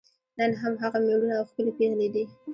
نن هم هغه میړونه او ښکلي پېغلې دي.